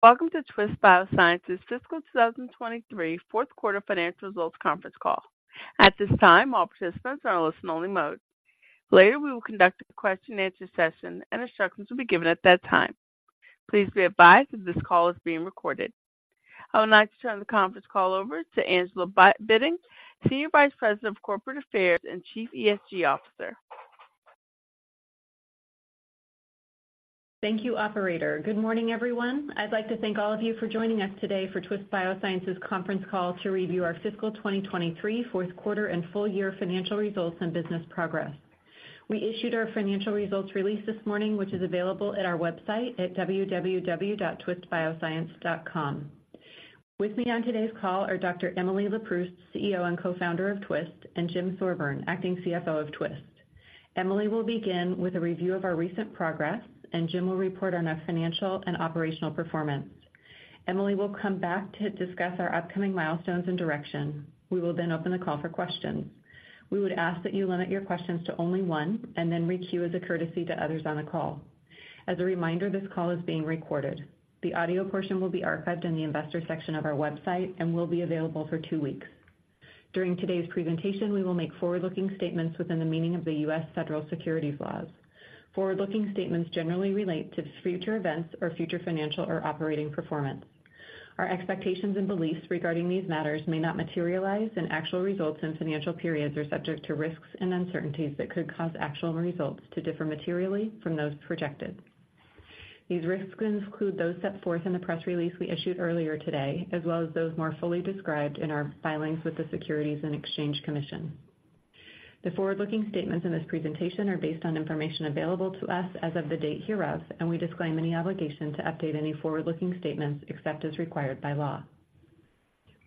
Welcome to Twist Bioscience's fiscal 2023 Fourth Quarter Financial Results Conference Call. At this time, all participants are in listen-only mode. Later, we will conduct a question-and-answer session, and instructions will be given at that time. Please be advised that this call is being recorded. I would like to turn the conference call over to Angela Bitting, Senior Vice President of Corporate Affairs and Chief ESG Officer. Thank you, operator. Good morning, everyone. I'd like to thank all of you for joining us today for Twist Bioscience's Conference Call to review our fiscal 2023 fourth quarter and full year financial results and business progress. We issued our financial results release this morning, which is available at our website at www.twistbioscience.com. With me on today's call are Dr. Emily Leproust, CEO and co-founder of Twist, and Jim Thorburn, Acting CFO of Twist. Emily will begin with a review of our recent progress, and Jim will report on our financial and operational performance. Emily will come back to discuss our upcoming milestones and direction. We will then open the call for questions. We would ask that you limit your questions to only one and then requeue as a courtesy to others on the call. As a reminder, this call is being recorded. The audio portion will be archived in the Investor Section of our website and will be available for two weeks. During today's presentation, we will make forward-looking statements within the meaning of the U.S. Federal securities laws. Forward-looking statements generally relate to future events or future financial or operating performance. Our expectations and beliefs regarding these matters may not materialize, and actual results and financial periods are subject to risks and uncertainties that could cause actual results to differ materially from those projected. These risks include those set forth in the press release we issued earlier today, as well as those more fully described in our filings with the Securities and Exchange Commission. The forward-looking statements in this presentation are based on information available to us as of the date hereof, and we disclaim any obligation to update any forward-looking statements except as required by law.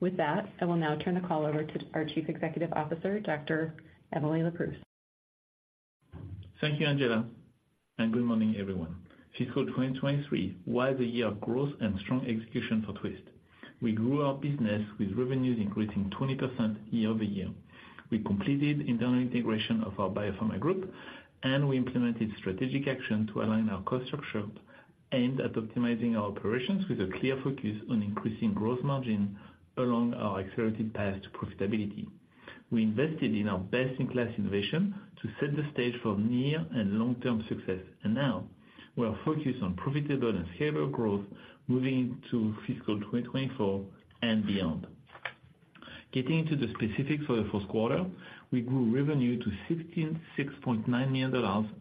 With that, I will now turn the call over to our Chief Executive Officer, Dr. Emily Leproust. Thank you, Angela, and good morning, everyone. Fiscal 2023 was a year of growth and strong execution for Twist. We grew our business with revenues increasing 20% year-over-year. We completed internal integration of our biopharma group, and we implemented strategic action to align our cost structure aimed at optimizing our operations with a clear focus on increasing gross margin along our accelerated path to profitability. We invested in our best-in-class innovation to set the stage for near and long-term success, and now we are focused on profitable and scalable growth moving into fiscal 2024 and beyond. Getting into the specifics for the first quarter, we grew revenue to $66.9 million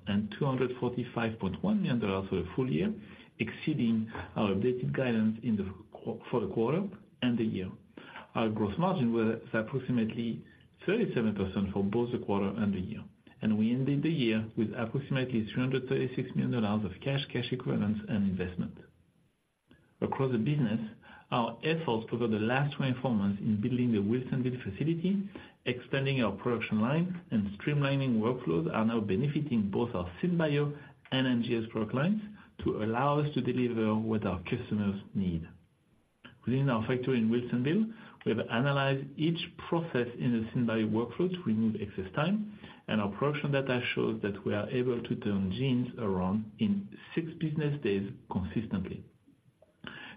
and $245.1 million for the full year, exceeding our updated guidance for the quarter and the year. Our gross margin was approximately 37% for both the quarter and the year, and we ended the year with approximately $336 million of cash, cash equivalents, and investment. Across the business, our efforts over the last 24 months in building the Wilsonville facility, expanding our production line, and streamlining workflows are now benefiting both our SynBio and NGS product lines to allow us to deliver what our customers need. Within our factory in Wilsonville, we have analyzed each process in the SynBio workflow to remove excess time, and our production data shows that we are able to turn genes around in six business days consistently.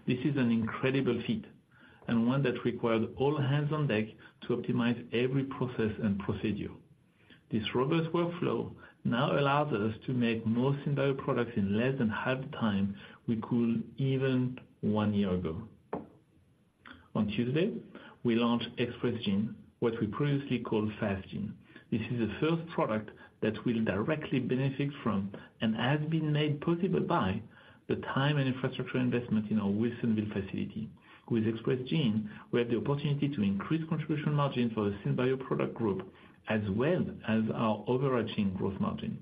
This is an incredible feat and one that required all hands on deck to optimize every process and procedure. This robust workflow now allows us to make more SynBio products in less than half the time we could even one year ago. On Tuesday, we launched Express Genes, what we previously called Fast Genes. This is the first product that will directly benefit from, and has been made possible by, the time and infrastructure investment in our Wilsonville facility. With Express Genes, we have the opportunity to increase contribution margin for the SynBio product group, as well as our overarching gross margin.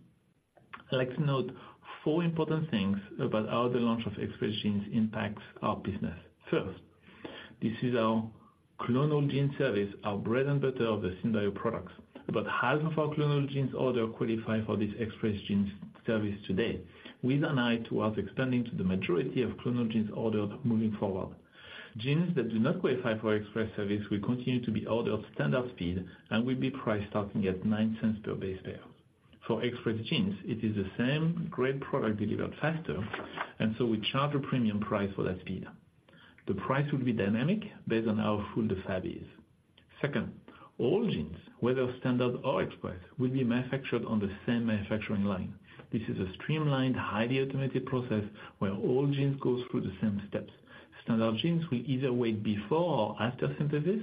I'd like to note four important things about how the launch of Express Genes impacts our business. First, this is our clonal gene service, our bread and butter of the SynBio products. About half of our clonal genes order qualify for this Express Genes service today, with an eye towards expanding to the majority of clonal genes ordered moving forward. Genes that do not qualify for express service will continue to be ordered standard speed and will be priced starting at $0.09 per base pair. For Express Genes, it is the same great product delivered faster, and so we charge a premium price for that speed. The price will be dynamic based on how full the fab is. Second, all genes, whether standard or express, will be manufactured on the same manufacturing line. This is a streamlined, highly automated process where all genes go through the same steps. Standard genes will either wait before or after synthesis,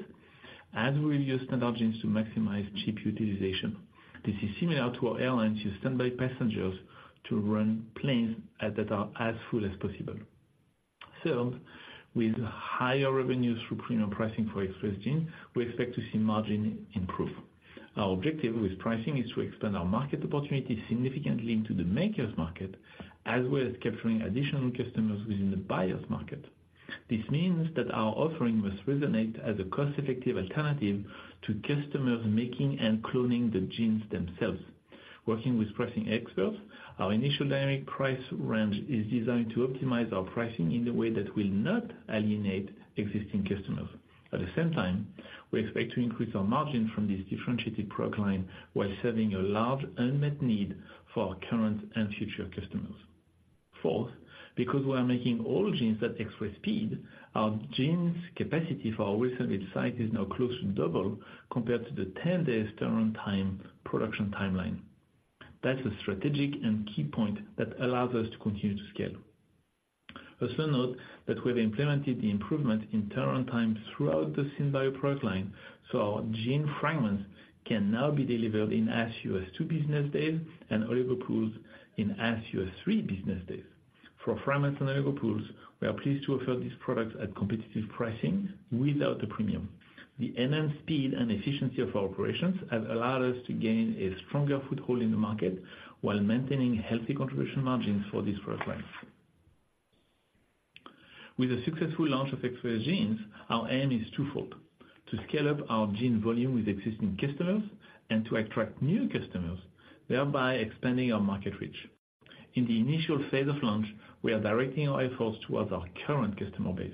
as we will use standard genes to maximize capacity utilization. This is similar to how airlines use standby passengers to run planes that are as full as possible. Third, with higher revenues through premium pricing for Express Genes, we expect to see margin improve. Our objective with pricing is to expand our market opportunity significantly into the makers market, as well as capturing additional customers within the buyers market. This means that our offering must resonate as a cost-effective alternative to customers making and cloning the genes themselves. Working with pricing experts, our initial dynamic price range is designed to optimize our pricing in the way that will not alienate existing customers. At the same time, we expect to increase our margin from this differentiated product line while serving a large unmet need for our current and future customers. Fourth, because we are making all genes at express speed, our genes capacity for our recent site is now close to double compared to the 10-day turnaround time production timeline. That's a strategic and key point that allows us to continue to scale. Also note that we've implemented the improvement in turnaround time throughout the SynBio product line, so our gene fragments can now be delivered in as few as two business days and Oligo Pools in as few as three business days. For Fragments and Oligo Pools, we are pleased to offer these products at competitive pricing without the premium. The enhanced speed and efficiency of our operations has allowed us to gain a stronger foothold in the market while maintaining healthy contribution margins for these product lines. With the successful launch of Express Genes, our aim is twofold: to scale up our gene volume with existing customers and to attract new customers, thereby expanding our market reach. In the initial phase of launch, we are directing our efforts towards our current customer base.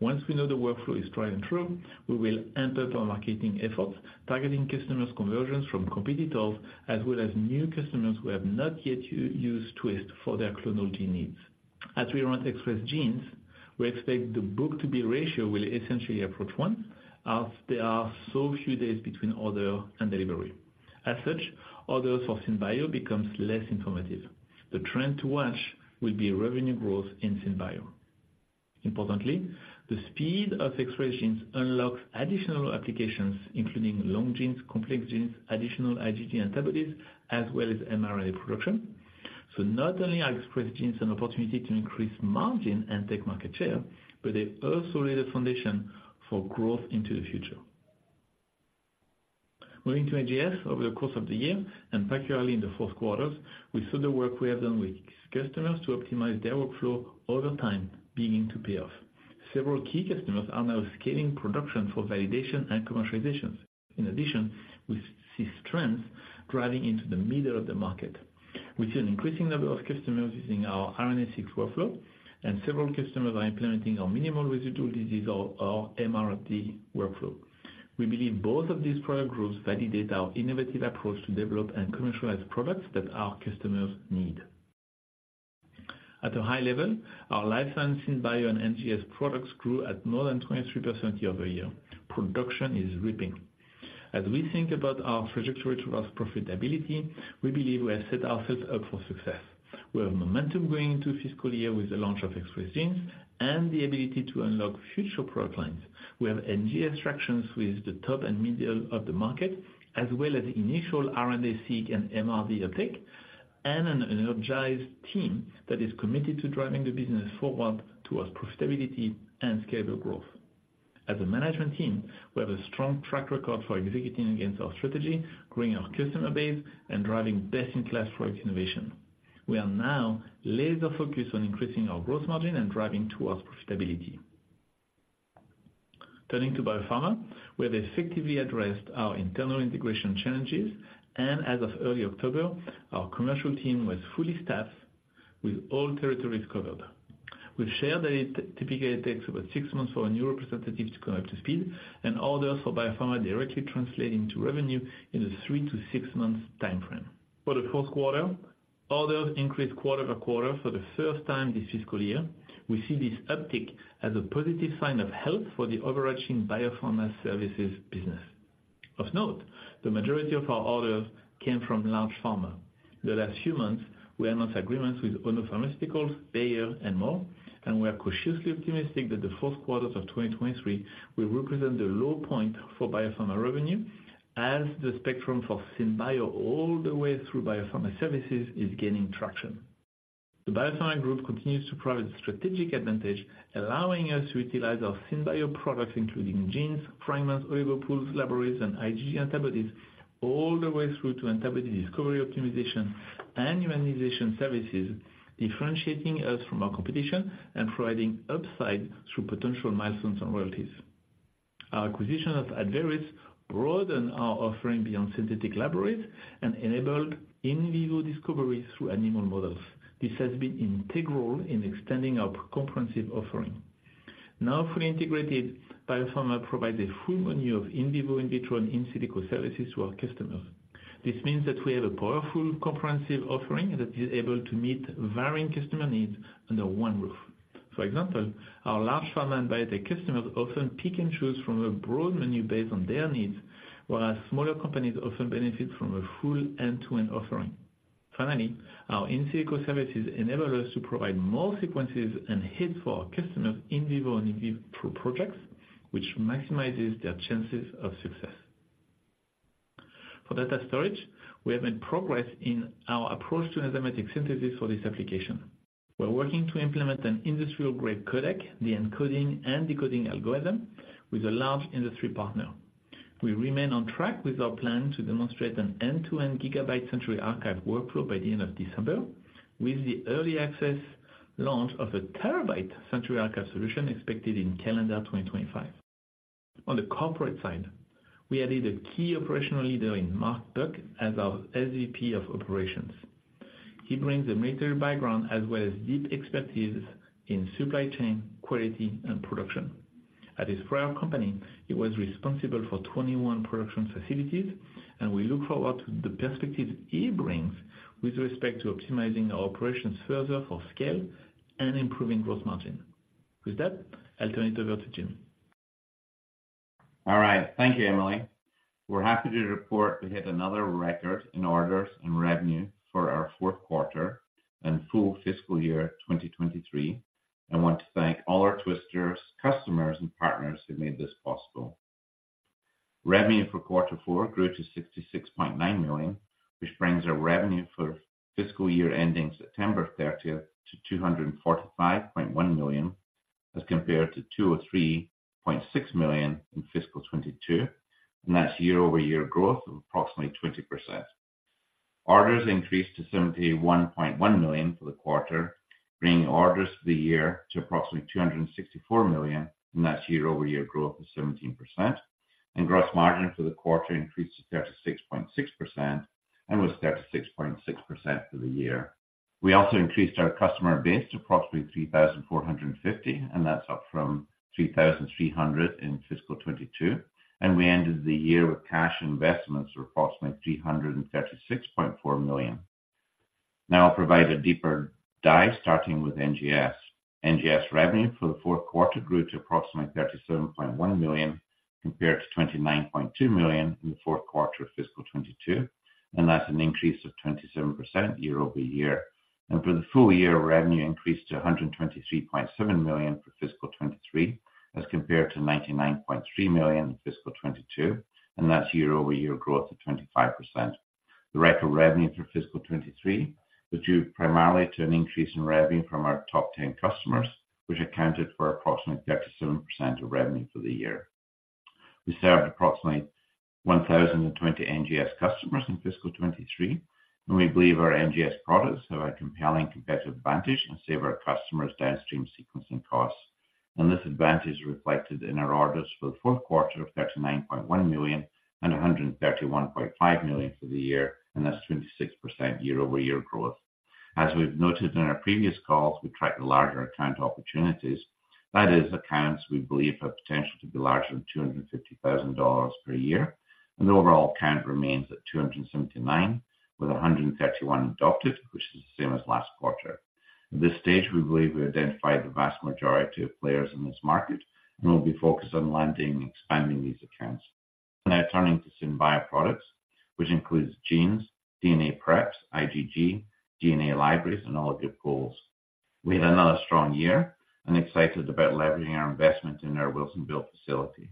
Once we know the workflow is tried and true, we will amp up our marketing efforts, targeting customer conversions from competitors, as well as new customers who have not yet used Twist for their clonality needs. As we run Express Genes, we expect the book-to-bill ratio will essentially approach one, as there are so few days between order and delivery. As such, orders for SynBio becomes less informative. The trend to watch will be revenue growth in SynBio. Importantly, the speed of Express Genes unlocks additional applications, including long genes, complex genes, additional IgG antibodies, as well as mRNA production. So not only are Express Genes an opportunity to increase margin and take market share, but they also lay the foundation for growth into the future. Moving to NGS. Over the course of the year, and particularly in the fourth quarters, we saw the work we have done with customers to optimize their workflow over time, beginning to pay off. Several key customers are now scaling production for validation and commercialization. In addition, we see strength driving into the middle of the market. We see an increasing number of customers using our RNA-seq workflow, and several customers are implementing our minimal residual disease or our MRD workflow. We believe both of these product groups validate our innovative approach to develop and commercialize products that our customers need. At a high level, our Life Science SynBio and NGS products grew at more than 23% year-over-year. Production is ripping. As we think about our trajectory towards profitability, we believe we have set ourselves up for success. We have momentum going into fiscal year with the launch of Express Genes and the ability to unlock future product lines. We have NGS traction with the top and middle of the market, as well as initial RNA- seq and MRD uptake, and an energized team that is committed to driving the business forward towards profitability and scalable growth. As a management team, we have a strong track record for executing against our strategy, growing our customer base, and driving best-in-class product innovation. We are now laser-focused on increasing our gross margin and driving towards profitability. Turning to Biopharma, we have effectively addressed our internal integration challenges, and as of early October, our commercial team was fully staffed with all territories covered. We've shared that it typically takes about six months for a new representative to come up to speed, and orders for Biopharma directly translate into revenue in a three to six month timeframe. For the fourth quarter, orders increased quarter-over-quarter for the first time this fiscal year. We see this uptick as a positive sign of health for the overarching Biopharma Services business. Of note, the majority of our orders came from large pharma. The last few months, we announced agreements with Ono Pharmaceutical, Bayer, and more, and we are cautiously optimistic that the fourth quarter of 2023 will represent the low point for Biopharma revenue, as the spectrum for SynBio all the way through Biopharma services is gaining traction. The Biopharma group continues to provide strategic advantage, allowing us to utilize our SynBio products, including genes, fragments, Oligo Pools, libraries, and IgG antibodies, all the way through to antibody discovery, optimization, and humanization services, differentiating us from our competition and providing upside through potential milestones and royalties. Our acquisition of Abveris broadened our offering beyond synthetic libraries and enabled in vivo discovery through animal models. This has been integral in extending our comprehensive offering. Now, fully integrated Biopharma provides a full menu of in vivo, in vitro, and in silico services to our customers. This means that we have a powerful, comprehensive offering that is able to meet varying customer needs under one roof. For example, our large pharma and biotech customers often pick and choose from a broad menu based on their needs, whereas smaller companies often benefit from a full end-to-end offering. Finally, our in silico services enable us to provide more sequences and hits for our customers in vivo and in vivo projects, which maximizes their chances of success. For data storage, we have made progress in our approach to enzymatic synthesis for this application. We're working to implement an industrial-grade codec, the encoding and decoding algorithm, with a large industry partner. We remain on track with our plan to demonstrate an end-to-end gigabyte Century Archive workflow by the end of December, with the early access launch of a terabyte Century Archive solution expected in calendar 2025. On the corporate side, we added a key operational leader in Mark Buck as our SVP of Operations. He brings a military background as well as deep expertise in supply chain, quality, and production. At his prior company, he was responsible for 21 production facilities, and we look forward to the perspective he brings with respect to optimizing our operations further for scale and improving gross margin. With that, I'll turn it over to Jim. All right. Thank you, Emily. We're happy to report we hit another record in orders and revenue for our fourth quarter and full fiscal year 2023. I want to thank all our Twisters, customers, and partners who made this possible. Revenue for quarter four grew to $66.9 million, which brings our revenue for fiscal year ending September 30 to $245.1 million, as compared to $203.6 million in fiscal 2022, and that's year-over-year growth of approximately 20%. Orders increased to $71.1 million for the quarter, bringing orders for the year to approximately $264 million, and that's year-over-year growth of 17%. Gross margin for the quarter increased to 36.6% and was 36.6% for the year. We also increased our customer base to approximately 3,450, and that's up from 3,300 in fiscal 2022. We ended the year with cash investments of approximately $336.4 million. Now I'll provide a deeper dive, starting with NGS. NGS revenue for the fourth quarter grew to approximately $37.1 million, compared to $29.2 million in the fourth quarter of fiscal 2022, and that's an increase of 27% year-over-year. For the full year, revenue increased to $123.7 million for fiscal 2023, as compared to $99.3 million in fiscal 2022, and that's year-over-year growth of 25%. The record revenue for fiscal 2023 was due primarily to an increase in revenue from our top 10 customers, which accounted for approximately 37% of revenue for the year. We served approximately 1,020 NGS customers in fiscal 2023, and we believe our NGS products have a compelling competitive advantage and save our customers downstream sequencing costs. This advantage is reflected in our orders for the fourth quarter of $39.1 million and $131.5 million for the year, and that's 26% year-over-year growth. As we've noted in our previous calls, we track the larger account opportunities, that is, accounts we believe have potential to be larger than $250,000 per year, and the overall count remains at 279, with 131 adopted, which is the same as last quarter. At this stage, we believe we identified the vast majority of players in this market, and we'll be focused on landing and expanding these accounts. Now turning to SynBio products, which includes genes, DNA preps, IgG, DNA libraries, and Oligo Pools. We had another strong year and excited about leveraging our investment in our Wilsonville facility.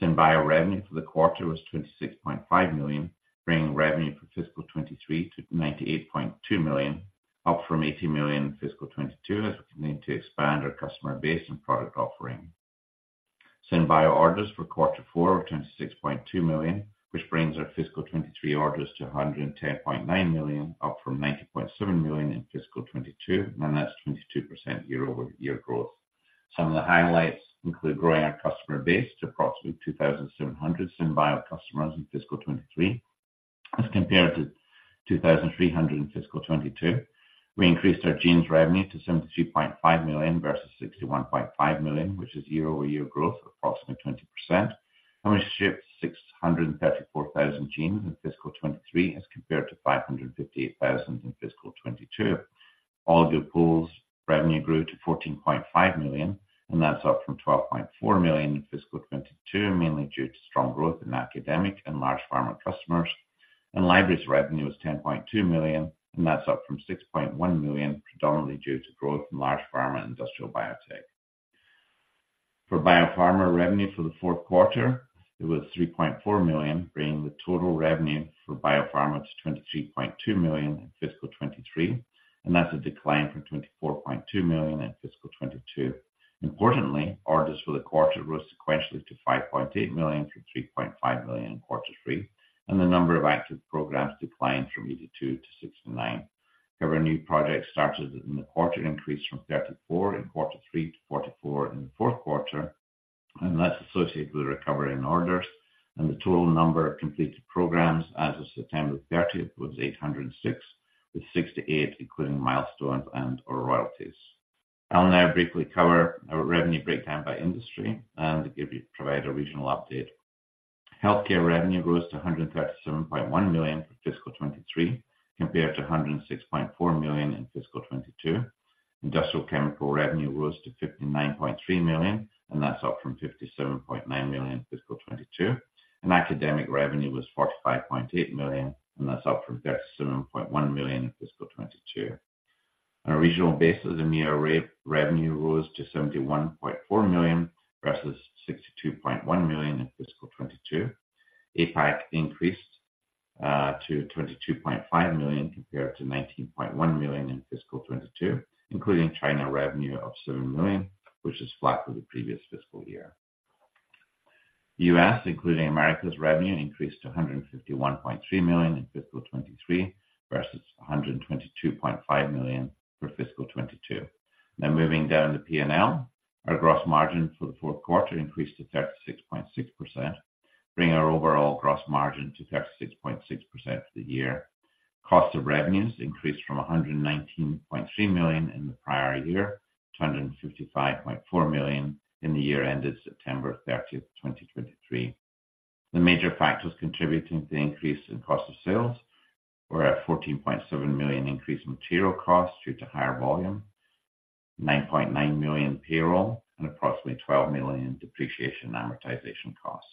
SynBio revenue for the quarter was $26.5 million, bringing revenue for fiscal 2023 to $98.2 million, up from $80 million in fiscal 2022, as we continue to expand our customer base and product offering. SynBio orders for quarter four were $26.2 million, which brings our fiscal 2023 orders to $110.9 million, up from $90.7 million in fiscal 2022, and that's 22% year-over-year growth. Some of the highlights include growing our customer base to approximately 2,700 SynBio customers in fiscal 2023, as compared to 2,300 in fiscal 2022. We increased our genes revenue to $72.5 million versus $61.5 million, which is year-over-year growth of approximately 20%, and we shipped 634,000 genes in fiscal 2023 as compared to 558,000 in fiscal 2022. Oligo pools revenue grew to $14.5 million, and that's up from $12.4 million in fiscal 2022, mainly due to strong growth in academic and large pharma customers. Libraries revenue was $10.2 million, and that's up from $6.1 million, predominantly due to growth in large pharma industrial biotech. For biopharma revenue for the fourth quarter, it was $3.4 million, bringing the total revenue for biopharma to $23.2 million in fiscal 2023, and that's a decline from $24.2 million in fiscal 2022. Importantly, orders for the quarter rose sequentially to $5.8 million from $3.5 million in quarter three, and the number of active programs declined from 82 to 69. However, new projects started in the quarter increased from 34 in quarter three to 44 in the fourth quarter, and that's associated with a recovery in orders, and the total number of completed programs as of September 30th was 806, with 68, including milestones and/or royalties. I'll now briefly cover our revenue breakdown by industry and provide a regional update. Healthcare revenue rose to $137.1 million for fiscal 2023, compared to $106.4 million in fiscal 2022. Industrial chemical revenue rose to $59.3 million, and that's up from $57.9 million in fiscal 2022. Academic revenue was $45.8 million, and that's up from $37.1 million in fiscal 2022. On a regional basis, EMEA revenue rose to $71.4 million, versus $62.1 million in fiscal 2022. APAC increased to $22.5 million, compared to $19.1 million in fiscal 2022, including China revenue of $7 million, which is flat for the previous fiscal year. US, including Americas revenue, increased to $151.3 million in fiscal 2023, versus $122.5 million for fiscal 2022. Now moving down to P&L. Our gross margin for the fourth quarter increased to 36.6%, bringing our overall gross margin to 36.6% for the year. Cost of revenues increased from $119.3 million in the prior year to $155.4 million in the year ended September 30, 2023. The major factors contributing to the increase in cost of sales were a $14.7 million increase in material costs due to higher volume, $9.9 million payroll, and approximately $12 million depreciation amortization costs.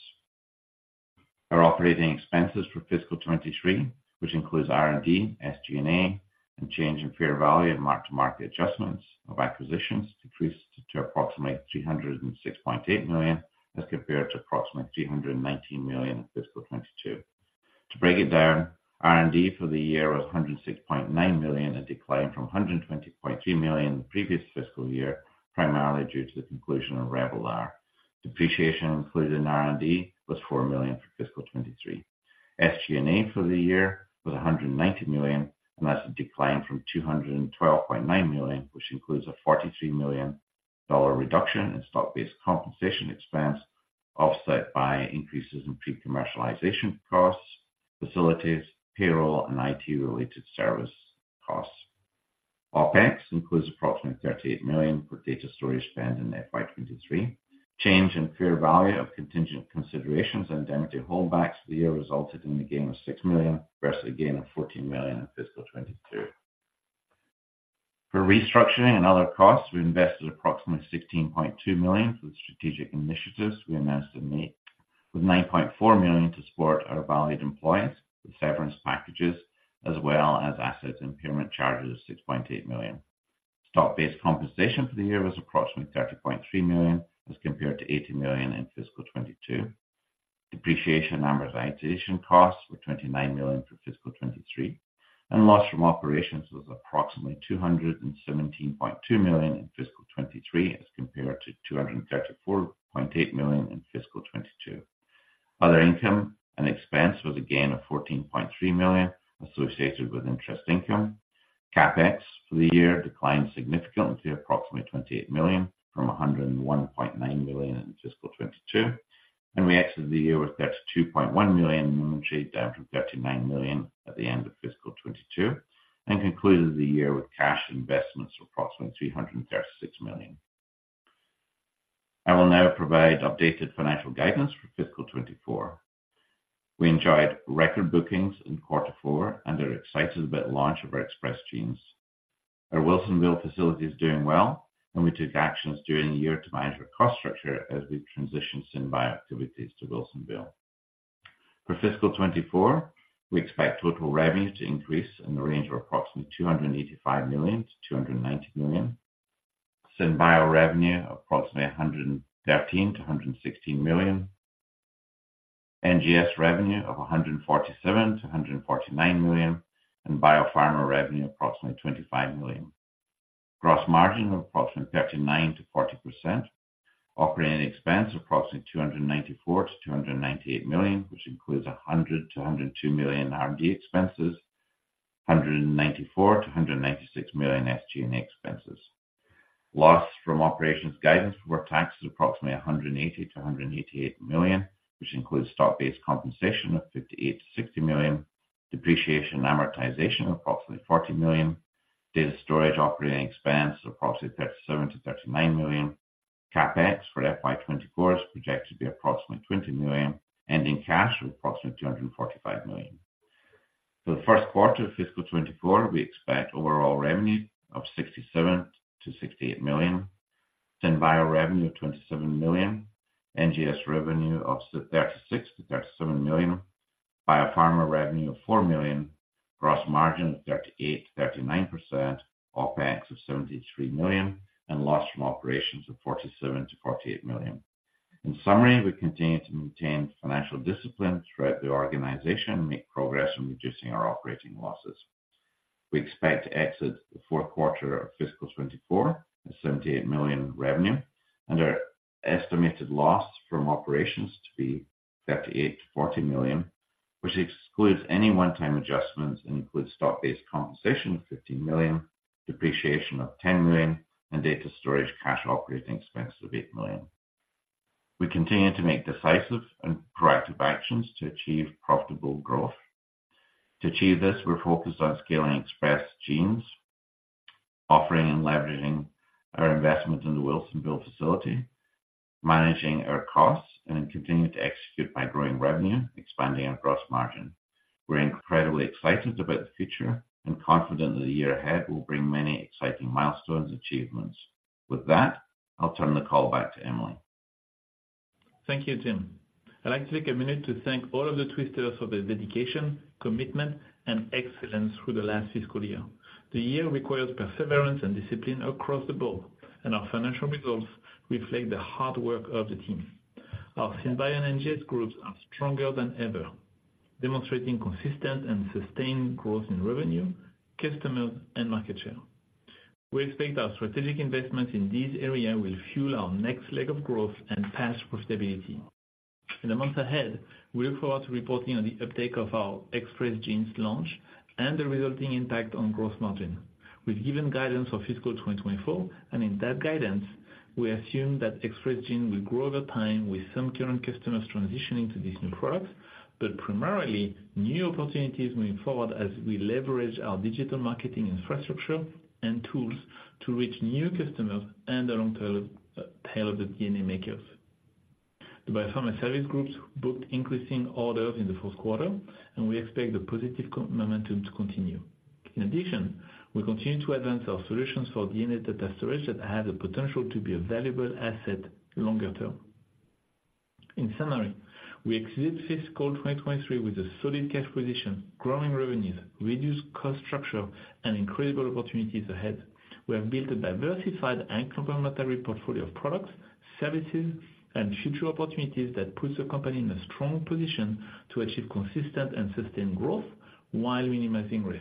Our operating expenses for fiscal 2023, which includes R&D, SG&A, and change in fair value and mark-to-market adjustments of acquisitions, decreased to approximately $306.8 million, as compared to approximately $319 million in fiscal 2022. To break it down, R&D for the year was $106.9 million, a decline from $120.3 million in the previous fiscal year, primarily due to the conclusion of Revelar. Depreciation included in R&D was $4 million for fiscal 2023. SG&A for the year was $190 million, and that's a decline from $212.9 million, which includes a $43 million reduction in stock-based compensation expense, offset by increases in pre-commercialization costs, facilities, payroll, and IT-related service costs. OpEx includes approximately $38 million for data storage spend in FY 2023. Change in fair value of contingent considerations and indemnity holdbacks for the year resulted in a gain of $6 million, versus a gain of $14 million in fiscal 2022. For restructuring and other costs, we invested approximately $16.2 million for the strategic initiatives we announced in May, with $9.4 million to support our valued employees with severance packages, as well as assets impairment charges of $6.8 million. Stock-based compensation for the year was approximately $30.3 million, as compared to $80 million in fiscal 2022. Depreciation and amortization costs were $29 million for fiscal 2023, and loss from operations was approximately $217.2 million in fiscal 2023, as compared to $234.8 million in fiscal 2022. Other income and expense was a gain of $14.3 million associated with interest income. CapEx for the year declined significantly to approximately $28 million from $101.9 million in fiscal 2022, and we exited the year with $32.1 million in inventory, down from $39 million at the end of fiscal 2022, and concluded the year with cash investments of approximately $336 million. I will now provide updated financial guidance for fiscal 2024. We enjoyed record bookings in quarter four and are excited about the launch of our Express Genes. Our Wilsonville facility is doing well, and we took actions during the year to manage our cost structure as we transition SynBio activities to Wilsonville. For fiscal 2024, we expect total revenues to increase in the range of approximately $285 million-$290 million. SynBio revenue, approximately $113 million-$116 million. NGS revenue of $147 million-$149 million, and Biopharma revenue, approximately $25 million. Gross margin of approximately 39%-40%. Operating expense, approximately $294 million-$298 million, which includes $100 million-$102 million in R&D expenses, $194 million-$196 million SG&A expenses. Loss from operations guidance for tax is approximately $180 million-$188 million, which includes stock-based compensation of $58 million-$60 million, depreciation and amortization of approximately $40 million. Data storage operating expense of approximately $37 million-$39 million. CapEx for FY 2024 is projected to be approximately $20 million, ending cash of approximately $245 million. For the first quarter of fiscal 2024, we expect overall revenue of $67 million-$68 million, SynBio revenue of $27 million, NGS revenue of $36 million-$37 million, Biopharma revenue of $4 million, gross margin of 38%-39%, OpEx of $73 million, and loss from operations of $47 million-$48 million. In summary, we continue to maintain financial discipline throughout the organization and make progress in reducing our operating losses. We expect to exit the fourth quarter of fiscal 2024 with $78 million in revenue and our estimated loss from operations to be $38 million-$40 million, which excludes any one-time adjustments and includes stock-based compensation of $15 million, depreciation of $10 million, and data storage cash operating expenses of $8 million. We continue to make decisive and proactive actions to achieve profitable growth. To achieve this, we're focused on scaling Express Genes, offering and leveraging our investment in the Wilsonville facility, managing our costs, and then continuing to execute by growing revenue, expanding our gross margin. We're incredibly excited about the future and confident that the year ahead will bring many exciting milestones and achievements. With that, I'll turn the call back to Emily. Thank you, Jim. I'd like to take a minute to thank all of the Twisters for their dedication, commitment, and excellence through the last fiscal year. The year required perseverance and discipline across the board, and our financial results reflect the hard work of the team. Our SynBio and NGS groups are stronger than ever, demonstrating consistent and sustained growth in revenue, customers, and market share. We expect our strategic investments in these areas will fuel our next leg of growth and path to profitability. In the months ahead, we look forward to reporting on the uptake of our Express Genes launch and the resulting impact on gross margin. We've given guidance for fiscal 2024, and in that guidance, we assume that Express Genes will grow over time with some current customers transitioning to these new products, but primarily, new opportunities moving forward as we leverage our digital marketing infrastructure and tools to reach new customers and the long tail of the DNA makers. The Biopharma Services group booked increasing orders in the fourth quarter, and we expect the positive momentum to continue. In addition, we continue to advance our solutions for DNA data storage that has the potential to be a valuable asset longer term. In summary, we exceeded fiscal 2023 with a solid cash position, growing revenues, reduced cost structure, and incredible opportunities ahead. We have built a diversified and complementary portfolio of products, services, and future opportunities that puts the company in a strong position to achieve consistent and sustained growth while minimizing risk.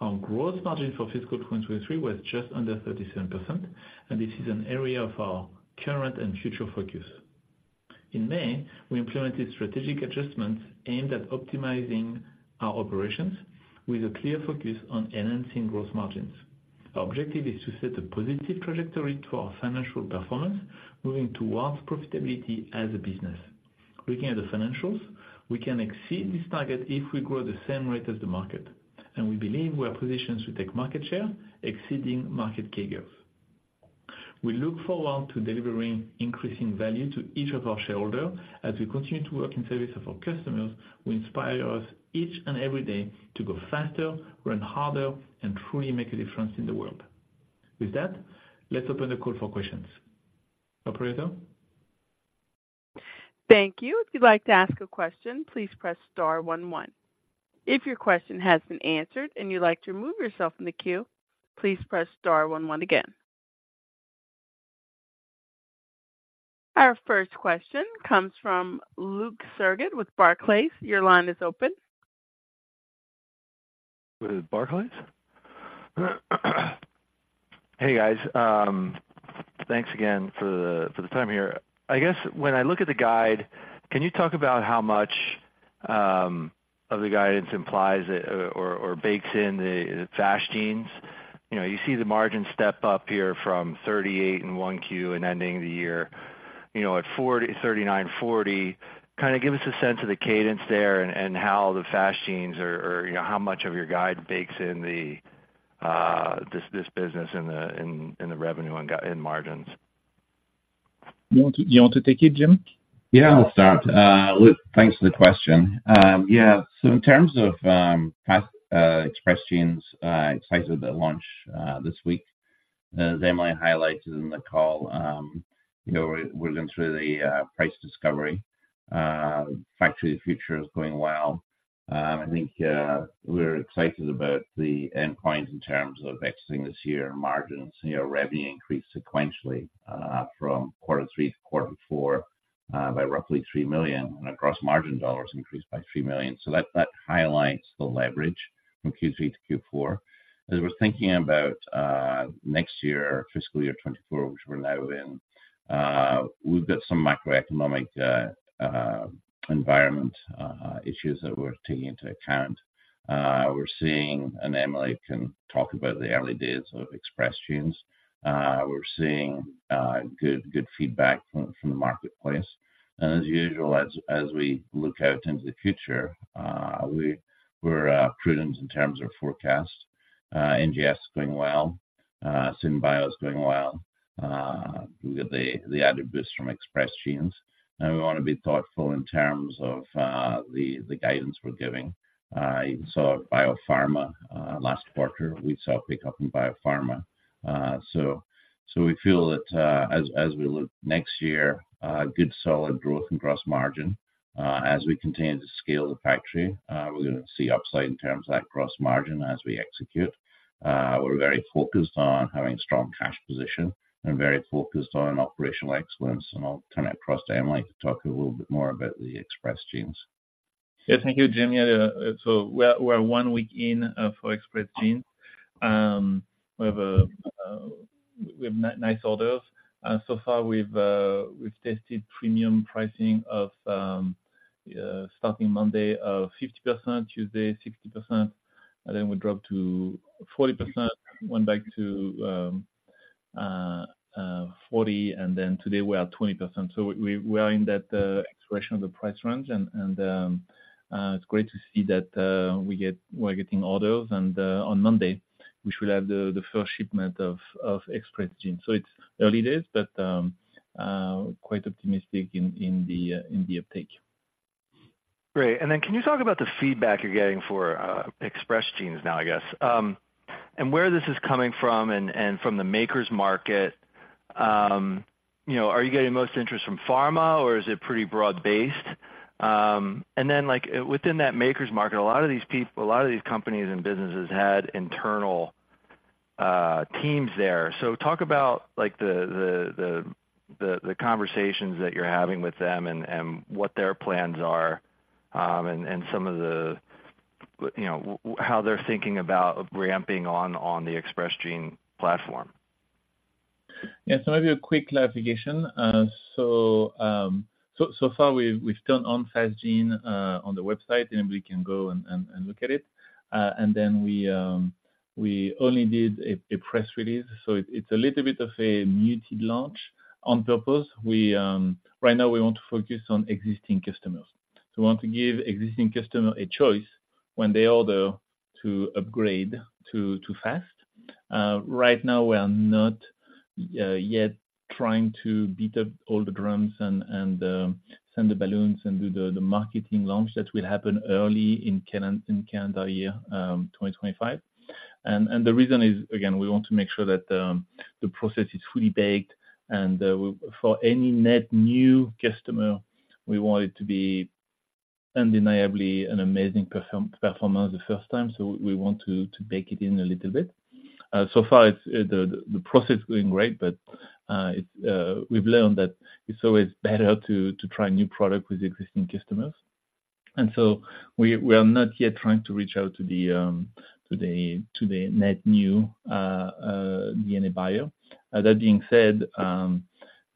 Our gross margin for fiscal 2023 was just under 37%, and this is an area of our current and future focus. In May, we implemented strategic adjustments aimed at optimizing our operations with a clear focus on enhancing gross margins. Our objective is to set a positive trajectory to our financial performance, moving towards profitability as a business. Looking at the financials, we can exceed this target if we grow the same rate as the market, and we believe we are positioned to take market share, exceeding market CAGRs. We look forward to delivering increasing value to each of our shareholders as we continue to work in service of our customers, who inspire us each and every day to go faster, run harder, and truly make a difference in the world. With that, let's open the call for questions. Operator? Thank you. If you'd like to ask a question, please press star one, one. If your question has been answered and you'd like to remove yourself from the queue, please press star one one again. Our first question comes from Luke Sergott with Barclays. Your line is open. With Barclays? Hey, guys. Thanks again for the, for the time here. I guess when I look at the guide, can you talk about how much of the guidance implies or bakes in the Express Genes? You know, you see the margin step up here from 38% in Q1 and ending the year, you know, at 39-40. Kind of give us a sense of the cadence there and how the Express Genes or, you know, how much of your guide bakes in this business in the revenue and in margins. You want to, you want to take it, Jimmy? Yeah, I'll start. Luke, thanks for the question. Yeah, so in terms of past Express Genes, excited to launch this week. As Emily highlighted in the call, you know, we're going through the price discovery. Factory of the Future is going well. I think we're excited about the endpoint in terms of exiting this year margins. You know, revenue increased sequentially from quarter three to quarter four by roughly $3 million, and our gross margin dollars increased by $3 million. So that highlights the leverage from Q3 to Q4. As we're thinking about next year, fiscal year 2024, which we're now in, we've got some macroeconomic environment issues that we're taking into account. We're seeing, and Emily can talk about the early days of Express Genes. We're seeing good feedback from the marketplace. As usual, as we look out into the future, we're prudent in terms of forecast. NGS is going well. SynBio is going well. We've got the added boost from Express Genes, and we want to be thoughtful in terms of the guidance we're giving. You saw Biopharma last quarter. We saw a pickup in Biopharma. So we feel that, as we look next year, good solid growth and gross margin. As we continue to scale the factory, we're gonna see upside in terms of that gross margin as we execute. We're very focused on having a strong cash position and very focused on operational excellence, and I'll turn it across to Emily to talk a little bit more about the Express Genes. Yes, thank you, Jimmy. So we're one week in for Express Genes. We have nice orders. So far we've tested premium pricing of starting Monday 50%, Tuesday 60%, and then we dropped to 40%, went back to 40, and then today we are at 20%. So we are in that exploration of the price range and it's great to see that we're getting orders. And on Monday, we should have the first shipment of Express Genes. So it's early days, but quite optimistic in the uptake. Great. And then can you talk about the feedback you're getting for Express Genes now, I guess? And where this is coming from and from the makers market, you know, are you getting most interest from pharma, or is it pretty broad-based? And then, like, within that makers market, a lot of these companies and businesses had internal teams there. So talk about, like, the conversations that you're having with them and what their plans are, and some of the, you know, how they're thinking about ramping on the Express Gene platform. Yes, so maybe a quick clarification. So, so far, we've turned on Fast Genes on the website, and we can go and look at it. And then we only did a press release, so it's a little bit of a muted launch on purpose. We right now want to focus on existing customers. We want to give existing customer a choice when they order to upgrade to Fast. Right now, we are not yet trying to beat up all the drums and send the balloons and do the marketing launch. That will happen early in Q1 in calendar year 2025. The reason is, again, we want to make sure that the process is fully baked and for any net new customer, we want it to be undeniably an amazing performer the first time, so we want to bake it in a little bit. So far, the process is going great, but we've learned that it's always better to try new product with existing customers. So we are not yet trying to reach out to the net new DNA buyers. That being said,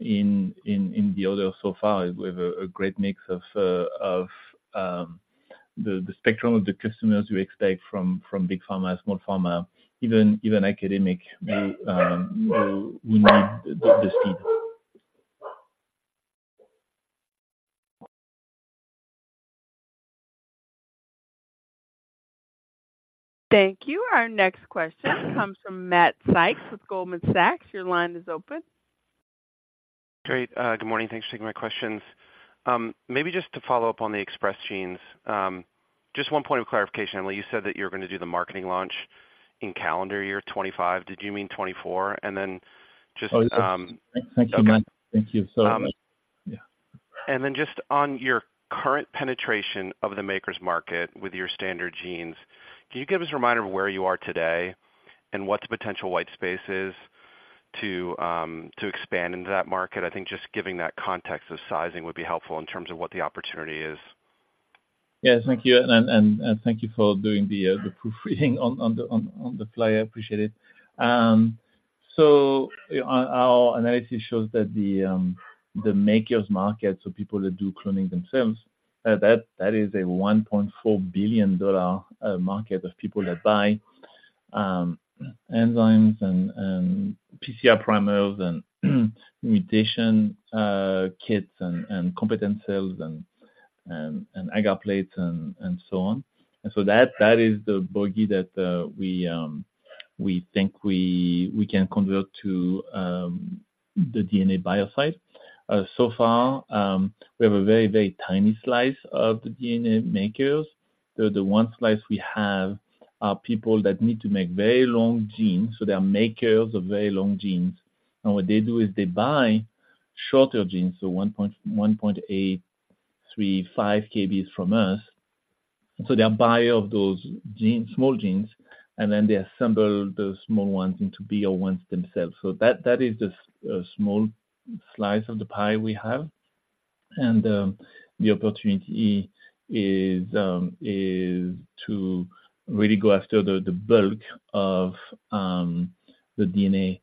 in the order so far, we have a great mix of the spectrum of the customers we expect from big pharma, small pharma, even academia who need the speed. Thank you. Our next question comes from Matt Sykes with Goldman Sachs. Your line is open. Great. Good morning. Thanks for taking my questions. Maybe just to follow up on the Express Genes. Just one point of clarification, when you said that you're gonna do the marketing launch in calendar year 2025, did you mean 2024? And then just, Oh, thank you, Matt. Thank you so much. Yeah. And then just on your current penetration of the makers market with your standard genes, can you give us a reminder of where you are today and what the potential white space is to to expand into that market? I think just giving that context of sizing would be helpful in terms of what the opportunity is. Yes. Thank you. And thank you for doing the proofreading on the fly. I appreciate it. So our analysis shows that the makers market, so people that do cloning themselves, that is a $1.4 billion market of people that buy enzymes and PCR primers, and mutation kits, and competent cells, and agar plates and so on. And so that is the bogey that we think we can convert to the DNA bio site. So far, we have a very, very tiny slice of the DNA makers. The one slice we have are people that need to make very long genes, so they are makers of very long genes. What they do is they buy shorter genes, so 1.1, 1.835 kb from us. So they are buyer of those genes, small genes, and then they assemble the small ones into bigger ones themselves. So that is the small slice of the pie we have. And the opportunity is to really go after the bulk of the DNA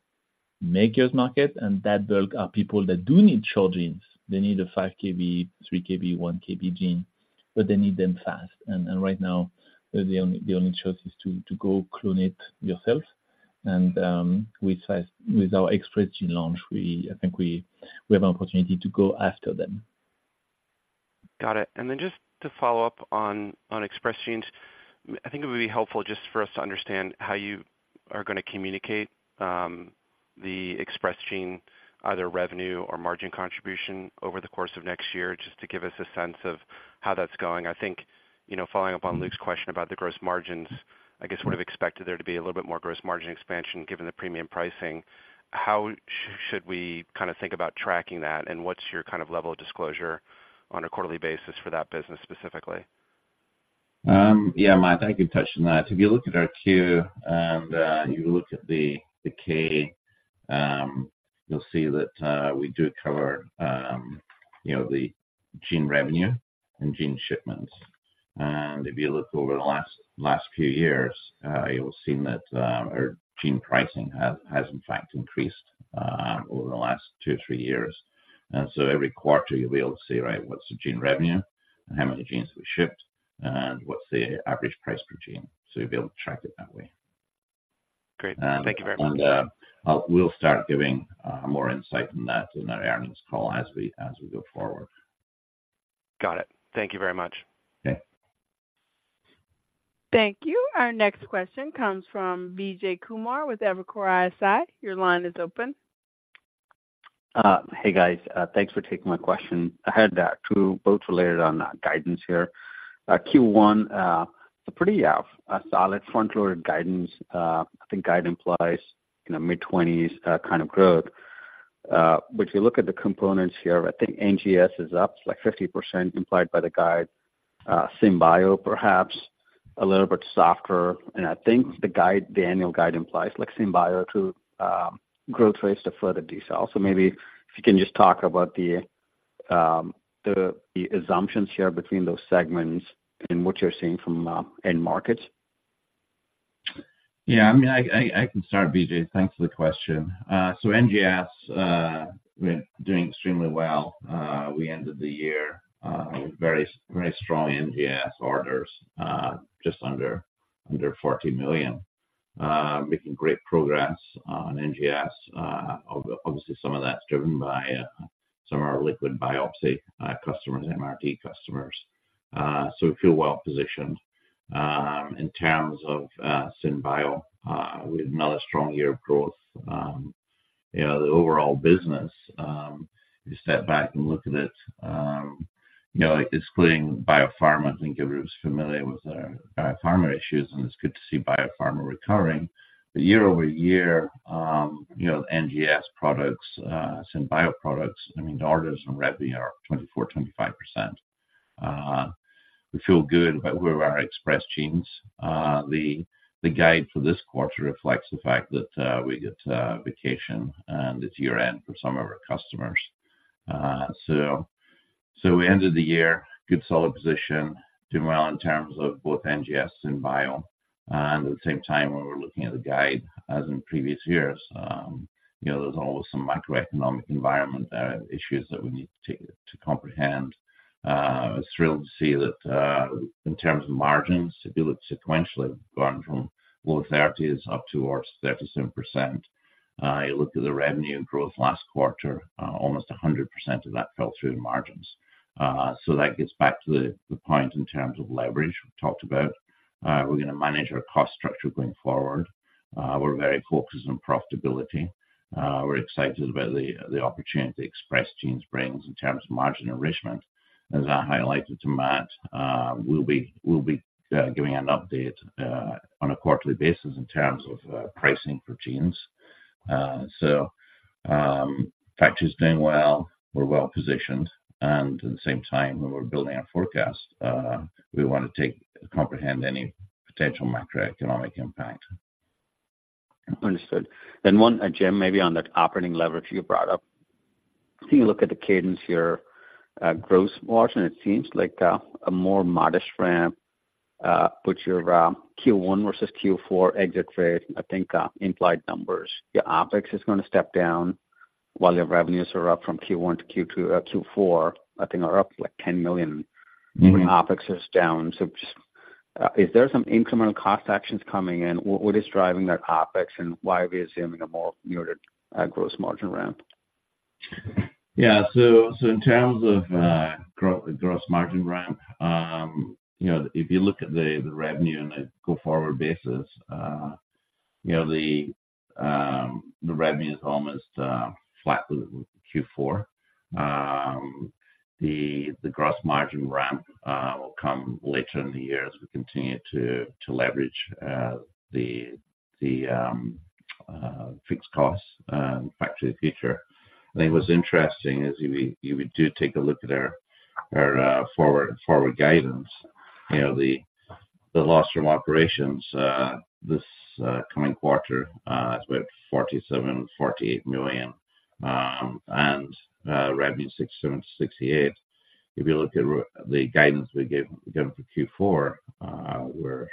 makers market, and that bulk are people that do need short genes. They need a 5 kb, 3 kb, and 1 kb gene, but they need them fast. And right now, the only choice is to go clone it yourself. And with size, with our Express Genes launch, I think we have an opportunity to go after them. Got it. And then just to follow up on, on Express Genes, I think it would be helpful just for us to understand how you are gonna communicate, the Express Gene, either revenue or margin contribution over the course of next year, just to give us a sense of how that's going. I think, you know, following up on Luke's question about the gross margins, I guess we'd have expected there to be a little bit more gross margin expansion, given the premium pricing. How should we kind of think about tracking that, and what's your kind of level of disclosure on a quarterly basis for that business specifically? Yeah, Matt, I can touch on that. If you look at our 10-Q and you look at the 10-K, you'll see that we do cover, you know, the gene revenue and gene shipments. And if you look over the last few years, you'll see that our gene pricing has in fact increased over the last two or three years. So every quarter, you'll be able to see, right, what's the gene revenue and how many genes we shipped, and what's the average price per gene. So you'll be able to track it that way. Great. Thank you very much. We'll start giving more insight on that in our earnings call as we go forward. Got it. Thank you very much. Okay. Thank you. Our next question comes from Vijay Kumar, with Evercore ISI. Your line is open. Hey, guys, thanks for taking my question. I had two, both related on guidance here. Q1, a pretty solid front-loaded guidance. I think guide implies, you know, mid-twenties kind of growth. But if you look at the components here, I think NGS is up to like 50% implied by the guide. SynBio, perhaps a little bit softer, and I think the guide, the annual guide implies like SynBio to growth rates to further detail. So maybe if you can just talk about the assumptions here between those segments and what you're seeing from end markets. Yeah, I mean, I can start, Vijay. Thanks for the question. So NGS, we're doing extremely well. We ended the year very, very strong NGS orders just under $40 million. Making great progress on NGS. Obviously, some of that's driven by some of our liquid biopsy customers, MRD customers. So we feel well positioned. In terms of SynBio, we had another strong year of growth. You know, the overall business, if you step back and look at it, you know, excluding biopharma, I think everyone's familiar with our biopharma issues, and it's good to see biopharma recovering. The year-over-year, you know, NGS products, SynBio products, I mean, the orders and revenue are 24%-25%. We feel good about where our Express Genes, the guide for this quarter reflects the fact that we get vacation and it's year-end for some of our customers. So we ended the year in a good solid position, doing well in terms of both NGS and bio. And at the same time, when we're looking at the guide, as in previous years, you know, there's always some macroeconomic environment issues that we need to comprehend. I was thrilled to see that in terms of margins, if you look sequentially, we've gone from low 30s up towards 37%. You look at the revenue growth last quarter, almost 100% of that fell through the margins. So that gets back to the point in terms of leverage we've talked about. We're gonna manage our cost structure going forward. We're very focused on profitability. We're excited about the opportunity Express Genes brings in terms of margin enrichment. As I highlighted to Matt, we'll be giving an update on a quarterly basis in terms of pricing for genes. So, factory is doing well. We're well positioned, and at the same time, when we're building our forecast, we want to comprehend any potential macroeconomic impact. Understood. Then one, Jim, maybe on that operating leverage you brought up. If you look at the cadence here, gross margin, it seems like a more modest ramp puts your Q1 versus Q4 exit rate, I think, implied numbers. Your OpEx is gonna step down while your revenues are up from Q1 to Q2, Q4, I think are up, like, $10 million. Mm-hmm. OpEx is down. So just, is there some incremental cost actions coming in? What is driving that OpEx, and why are we assuming a more muted gross margin ramp? Yeah. So in terms of, gross margin ramp, you know, if you look at the revenue on a go-forward basis, you know, the revenue is almost flat with Q4. The gross margin ramp will come later in the year as we continue to leverage the fixed costs, Factory of the Future. I think what's interesting is if you do take a look at our forward guidance, you know, the loss from operations this coming quarter is about $47 million-$48 million, and revenue $67 million-$68 million. If you look at the guidance we gave for Q4, we're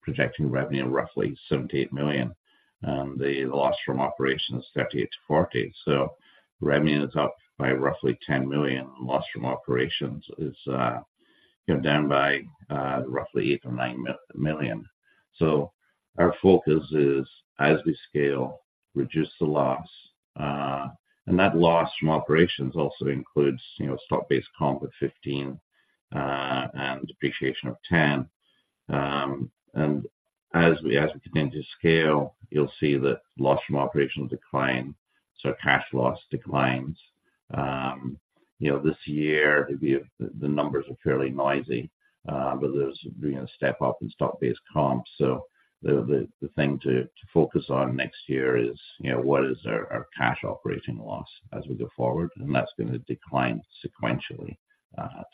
projecting revenue of roughly $78 million, and the loss from operations $38million-$40 million. So revenue is up by roughly $10 million, and loss from operations is, you know, down by roughly $8 million or $9 million. So our focus is, as we scale, reduce the loss. And that loss from operations also includes, you know, stock-based comp of $15 million, and depreciation of $10 million. And as we begin to scale, you'll see the loss from operations decline, so cash loss declines. You know, this year, the numbers are fairly noisy, but there's, you know, a step up in stock-based comp. So the thing to focus on next year is, you know, what is our cash operating loss as we go forward, and that's gonna decline sequentially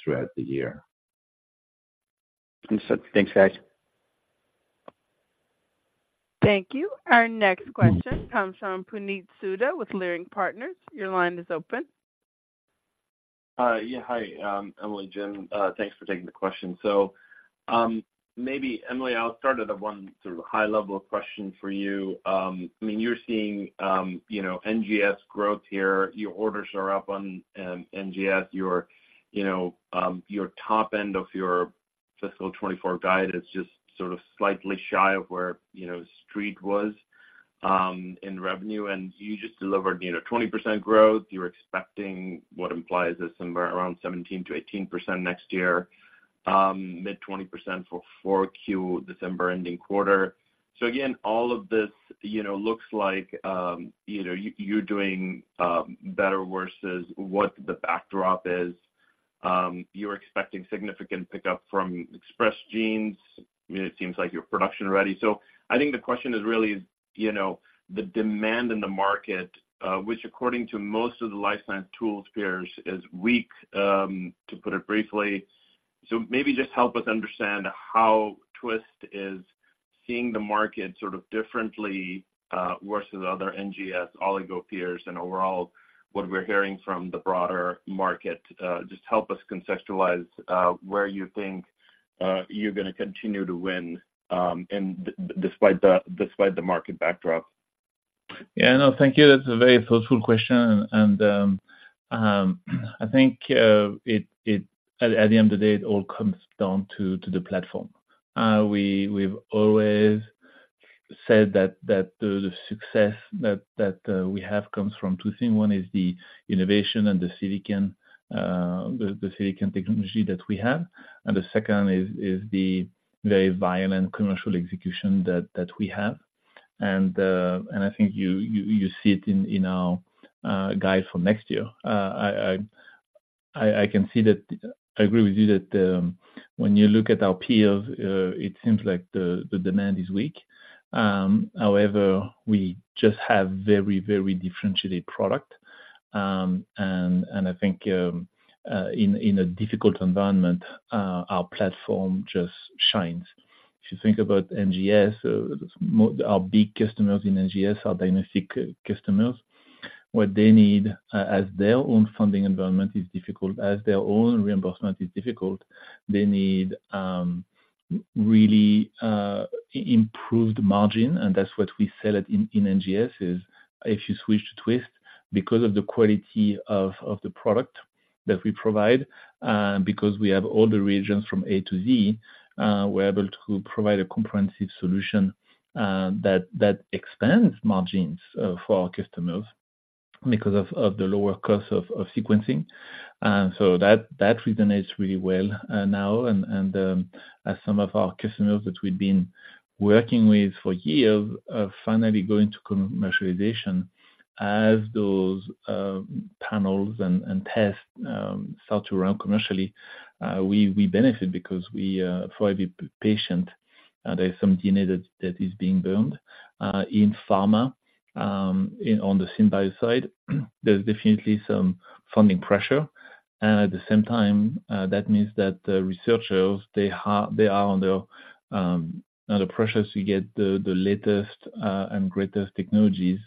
throughout the year. Understood. Thanks, guys. Thank you. Our next question comes from Puneet Souda with Leerink Partners. Your line is open. Yeah. Hi, Emily, Jim. Thanks for taking the question. So, maybe Emily, I'll start at a one sort of high-level question for you. I mean, you're seeing, you know, NGS growth here. Your orders are up on, NGS. Your, you know, your top end of your fiscal 2024 guide is just sort of slightly shy of where, you know, Street was, in revenue, and you just delivered, you know, 20% growth. You're expecting what implies is somewhere around 17%-18% next year, mid-20% for 4Q December ending quarter. So again, all of this, you know, looks like, you know, you, you're doing, better versus what the backdrop is. You're expecting significant pickup from Express Genes. I mean, it seems like you're production ready. So I think the question is really, you know, the demand in the market, which according to most of the life science tools peers, is weak, to put it briefly. So maybe just help us understand how Twist is seeing the market sort of differently, versus other NGS oligo peers and overall, what we're hearing from the broader market. Just help us conceptualize, where you think, you're gonna continue to win, and despite the, despite the market backdrop. Yeah, no, thank you. That's a very thoughtful question, and, I think, it, at the end of the day, it all comes down to the platform. We, we've always said that the success that we have comes from two things. One is the innovation and the silicon, the silicon technology that we have, and the second is the very violent commercial execution that we have. And I think you see it in our guide for next year. I can see that—I agree with you that, when you look at our peers, it seems like the demand is weak. However, we just have very, very differentiated product. And I think in a difficult environment, our platform just shines. If you think about NGS, our big customers in NGS are diagnostic customers. What they need, as their own funding environment is difficult, as their own reimbursement is difficult, they need really improved margin, and that's what we sell at in NGS, is if you switch to Twist, because of the quality of the product that we provide, because we have all the reagents from A to Z, we're able to provide a comprehensive solution that expands margins for our customers because of the lower cost of sequencing. And so that resonates really well now, and as some of our customers that we've been working with for years are finally going to commercialization, as those panels and tests start to run commercially, we benefit because we, for every patient, there's some DNA that is being burned. In pharma, on the SynBio side, there's definitely some funding pressure. And at the same time, that means that the researchers, they are under pressure to get the latest and greatest technologies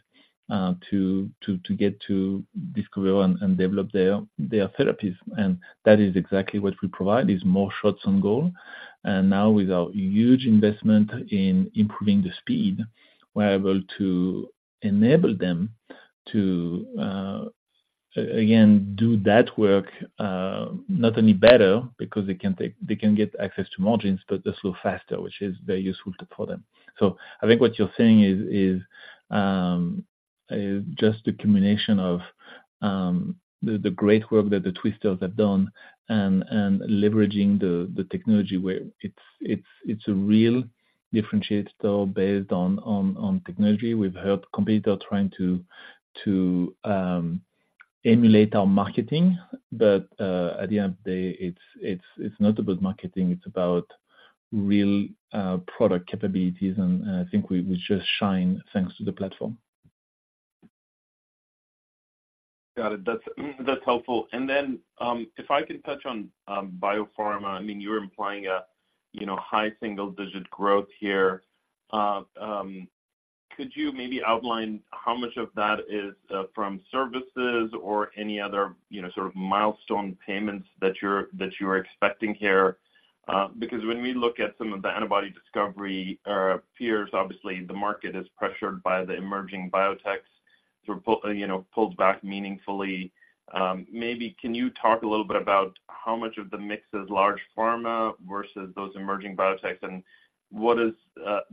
to get to discover and develop their therapies. And that is exactly what we provide, is more shots on goal. Now with our huge investment in improving the speed, we're able to enable them to again do that work not only better, because they can get access to margins, but also faster, which is very useful to for them. So I think what you're saying is just a combination of the great work that the Twisters have done and leveraging the technology where it's a real differentiator based on technology. We've helped competitor trying to emulate our marketing, but at the end of the day, it's not about marketing, it's about real product capabilities, and I think we just shine thanks to the platform. Got it. That's, that's helpful. And then, if I could touch on biopharma. I mean, you're implying a, you know, high single-digit growth here. Could you maybe outline how much of that is from services or any other, you know, sort of milestone payments that you're, that you're expecting here? Because when we look at some of the antibody discovery peers, obviously the market is pressured by the emerging biotechs, so pulled back meaningfully. Maybe can you talk a little bit about how much of the mix is large pharma versus those emerging biotechs, and what does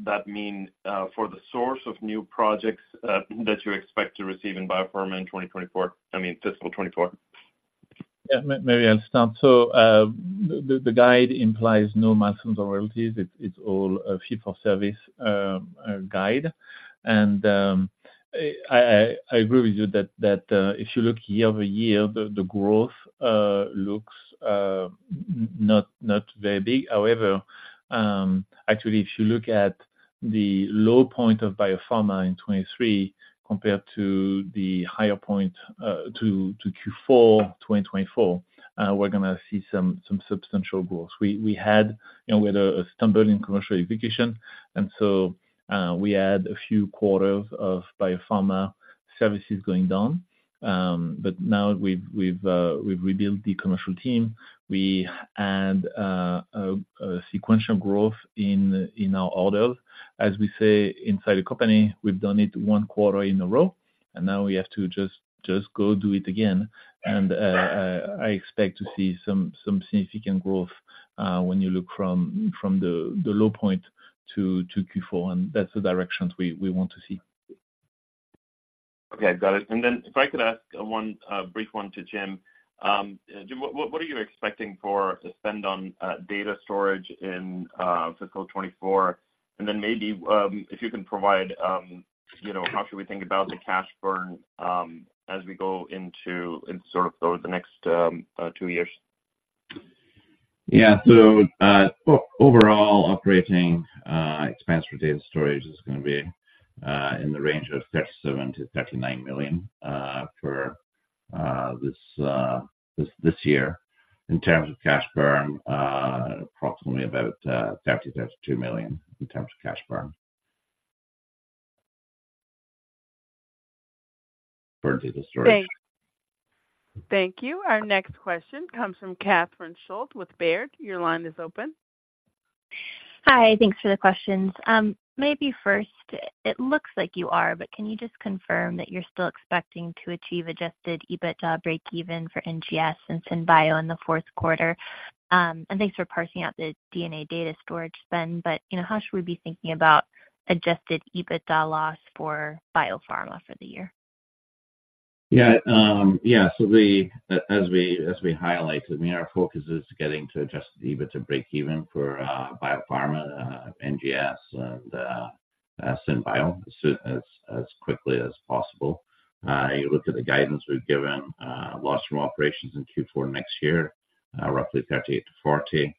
that mean for the source of new projects that you expect to receive in biopharma in 2024, I mean, fiscal 2024? Yeah, maybe I'll start. So, the guide implies no milestones or royalties. It's all a fee for service guide. And, I agree with you that, if you look year-over-year, the growth looks not very big. However, actually, if you look at the low point of biopharma in 2023 compared to the higher point, to Q4 2024, we're gonna see some substantial growth. We had, you know, we had a stumble in commercial execution, and so, we had a few quarters of biopharma services going down. But now we've rebuilt the commercial team. We had a sequential growth in our orders. As we say inside the company, we've done it one quarter in a row, and now we have to just go do it again. I expect to see some significant growth when you look from the low point to Q4, and that's the directions we want to see. Okay, got it. And then if I could ask one, brief one to Jim. Jim, what, what are you expecting for the spend on, data storage in, fiscal 2024? And then maybe, if you can provide, you know, how should we think about the cash burn, as we go into, in sort of over the next, 2 years? Yeah. So, overall operating expense for data storage is gonna be in the range of $37 million-$39 million for this year. In terms of cash burn, approximately about $32 million in terms of cash burn. Burn data storage. Thank you. Our next question comes from Catherine Schulte with Baird. Your line is open. Hi, thanks for the questions. Maybe first, it looks like you are, but can you just confirm that you're still expecting to achieve Adjusted EBITDA breakeven for NGS and SynBio in the fourth quarter? Thanks for parsing out the DNA data storage spend. You know, how should we be thinking about Adjusted EBITDA loss for Biopharma for the year? Yeah. Yeah, so we, as we highlighted, I mean, our focus is getting to Adjusted EBITDA breakeven for biopharma, NGS, and SynBio as soon as quickly as possible. You look at the guidance we've given, loss from operations in Q4 next year, roughly $38 million-$40 million.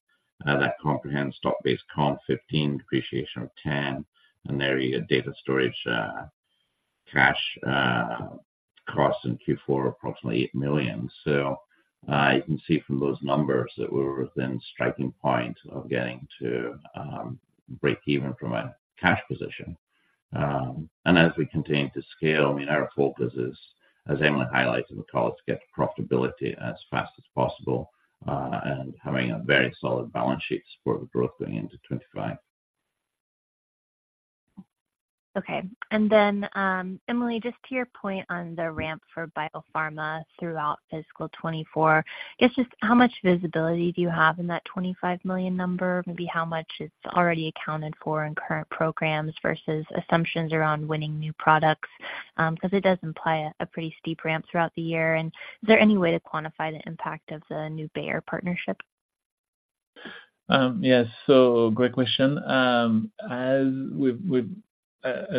That comprehends stock-based comp $15 million, depreciation of $10 million, and there you get data storage cash costs in Q4, approximately $8 million. So, you can see from those numbers that we're within striking point of getting to break even from a cash position. And as we continue to scale, I mean, our focus is, as Emily highlighted, we call it, to get to profitability as fast as possible, and having a very solid balance sheet to support the growth going into 2025. Okay. And then, Emily, just to your point on the ramp for biopharma throughout fiscal 2024, I guess, just how much visibility do you have in that $25 million number? Maybe how much is already accounted for in current programs versus assumptions around winning new products, because it does imply a pretty steep ramp throughout the year. And is there any way to quantify the impact of the new Bayer partnership? Yes. So great question. As we've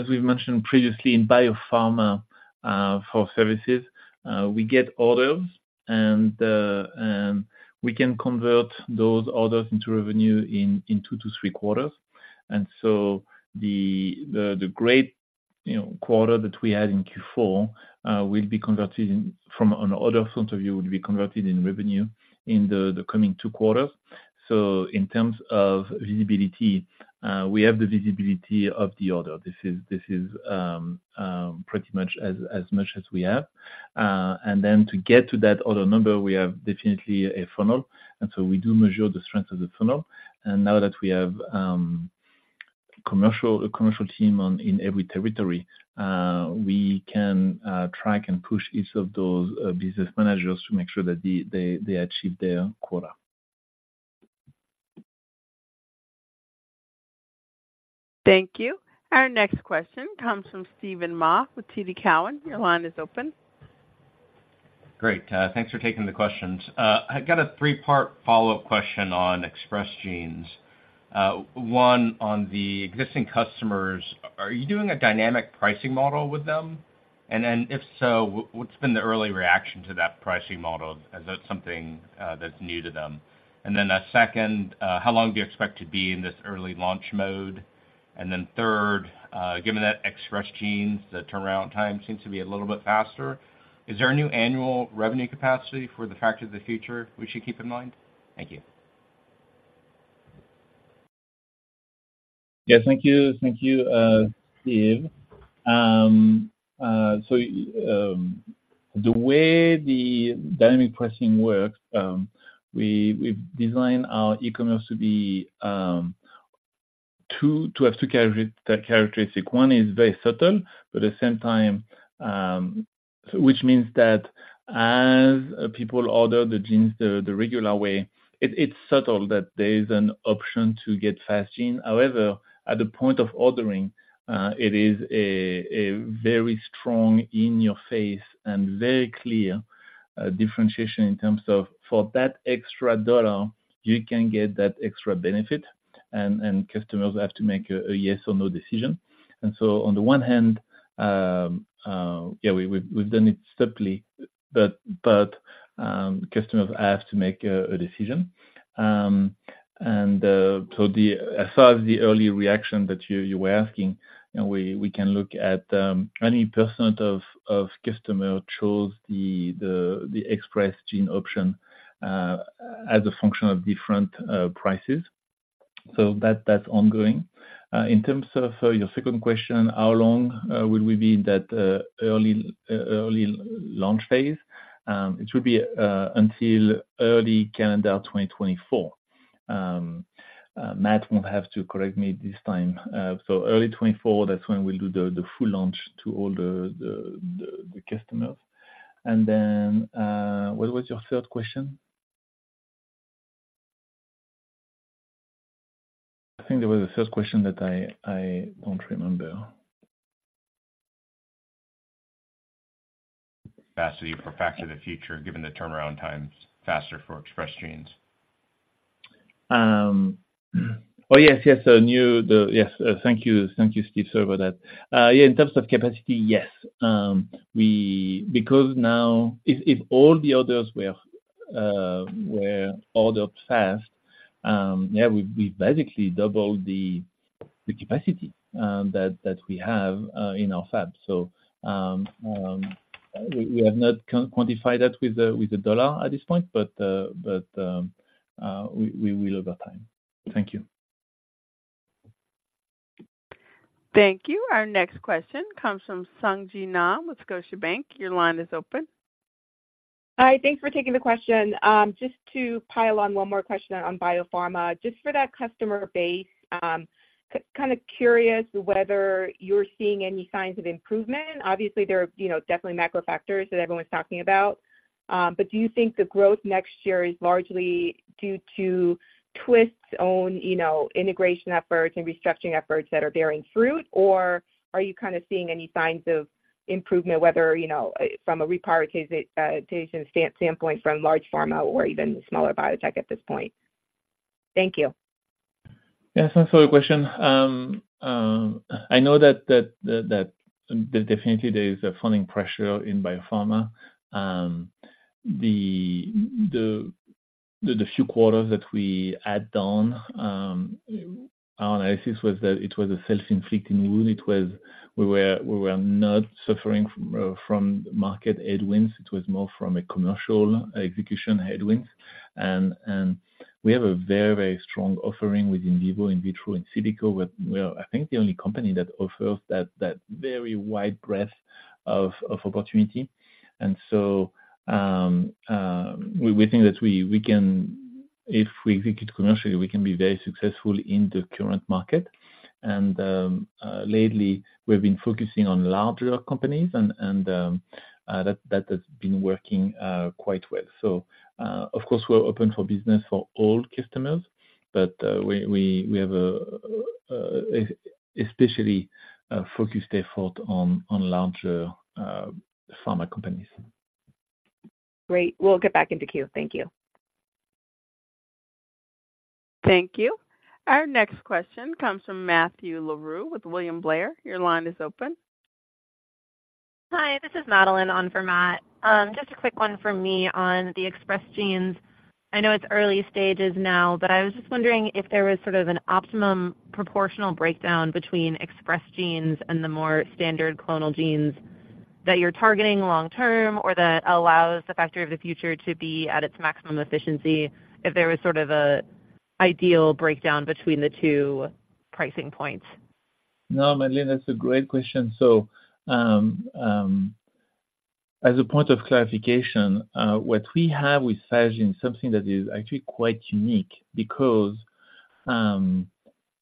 mentioned previously, in biopharma, for services, we get orders, and we can convert those orders into revenue in 2-3 quarters. So the great, you know, quarter that we had in Q4 will be converted from an order point of view into revenue in the coming 2 quarters. So in terms of visibility, we have the visibility of the order. This is pretty much as much as we have. And then to get to that order number, we have definitely a funnel, and so we do measure the strength of the funnel. And now that we have a commercial team in every territory, we can track and push each of those business managers to make sure that they achieve their quota. Thank you. Our next question comes from Steven Mah with TD Cowen. Your line is open. Great. Thanks for taking the questions. I've got a three-part follow-up question on Express Genes. One, on the existing customers, are you doing a dynamic pricing model with them? And then, if so, what's been the early reaction to that pricing model as that's something that's new to them? And then the second, how long do you expect to be in this early launch mode? And then third, given that Express Genes, the turnaround time seems to be a little bit faster, is there a new annual revenue capacity for the Factory of the Future we should keep in mind? Thank you. Yes. Thank you. Thank you, Steve. So, the way the dynamic pricing works, we've designed our e-commerce to have two characteristics. One is very subtle, but at the same time, which means that as people order the genes the regular way, it's subtle that there is an option to get Fast Genes. However, at the point of ordering, it is a very strong in your face and very clear differentiation in terms of for that extra $1, you can get that extra benefit, and customers have to make a yes or no decision. And so on the one hand, yeah, we've done it subtly, but customers have to make a decision. As far as the early reaction that you were asking, you know, we can look at 20% of customer chose the Express genes option as a function of different prices. So that's ongoing. In terms of your second question, how long will we be in that early launch phase? It should be until early calendar 2024. Matt won't have to correct me this time. So early 2024, that's when we'll do the full launch to all the customers. And then, what was your third question? I think there was a third question that I don't remember. Capacity for Factory of the Future, given the turnaround times faster for Express Genes. Oh, yes, yes. Yes, thank you, thank you, Steve. Sorry about that. Yeah, in terms of capacity, yes. Because now if all the orders were ordered fast, yeah, we basically double the capacity that we have in our fab. So, we have not quantified that with the dollar at this point, but we will over time. Thank you. Thank you. Our next question comes from Sung Ji Nam with Scotiabank. Your line is open. Hi, thanks for taking the question. Just to pile on one more question on biopharma, just for that customer base, kind of curious whether you're seeing any signs of improvement. Obviously, there are, you know, definitely macro factors that everyone's talking about, but do you think the growth next year is largely due to Twist's own, you know, integration efforts and restructuring efforts that are bearing fruit? Or are you kind of seeing any signs of improvement, whether, you know, from a prioritization standpoint from large pharma or even the smaller biotech at this point? Thank you. Yes, thanks for the question. I know that definitely there is a funding pressure in biopharma. The few quarters that we had down, our analysis was that it was a self-inflicted wound. It was. We were not suffering from market headwinds, it was more from a commercial execution headwinds. And we have a very, very strong offering with in vivo, in vitro, and in silico. We're, I think, the only company that offers that very wide breadth of opportunity. And so, we think that we can, if we execute commercially, be very successful in the current market. And lately, we've been focusing on larger companies and that has been working quite well. Of course, we're open for business for all customers, but we have a especially focused effort on larger pharma companies. Great. We'll get back into queue. Thank you. Thank you. Our next question comes from Matthew Larew with William Blair. Your line is open. Hi, this is Madeline on for Matt. Just a quick one from me on the Express Genes. I know it's early stages now, but I was just wondering if there was sort of an optimum proportional breakdown between Express Genes and the more standard clonal genes that you're targeting long term, or that allows the Factory of the Future to be at its maximum efficiency, if there was sort of a ideal breakdown between the two pricing points. No, Madeline, that's a great question. So, as a point of clarification, what we have with fast genes, something that is actually quite unique because,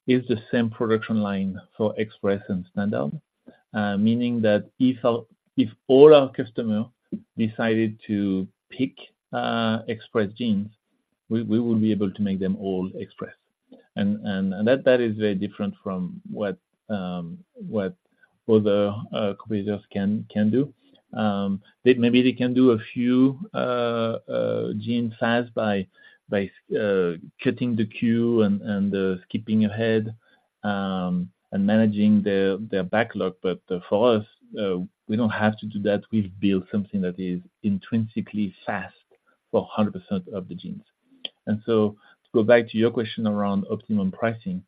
it's the same production line for Express and standard. Meaning that if all our customers decided to pick Express Genes, we would be able to make them all express. And that is very different from what other competitors can do. Maybe they can do a few genes fast by cutting the queue and skipping ahead and managing their backlog. But for us, we don't have to do that. We've built something that is intrinsically fast for 100% of the genes. To go back to your question around optimum pricing,